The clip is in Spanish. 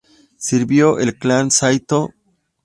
Sirvió al Clan Saitō.